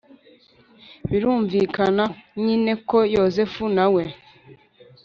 Birumvikana nyine ko Yozefu na we